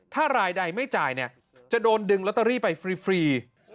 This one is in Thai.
ถ้ารายใดไม่จ่ายจะโดนดึงลอตเตอรี่ไปฟรี